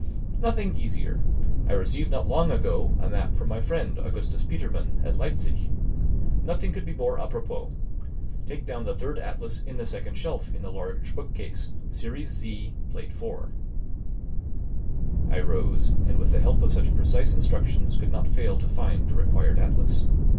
"Nothing easier. I received not long ago a map from my friend, Augustus Petermann, at Liepzig. Nothing could be more apropos. Take down the third atlas in the second shelf in the large bookcase, series Z, plate 4." I rose, and with the help of such precise instructions could not fail to find the required atlas.